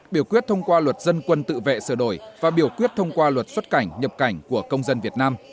biểu quyết thông qua luật dân quân tự vệ sửa đổi và biểu quyết thông qua luật xuất cảnh nhập cảnh của công dân việt nam